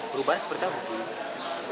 perubahan seperti apa